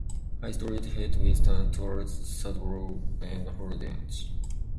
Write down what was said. High Street heads west and towards Sadborrow and Holditch.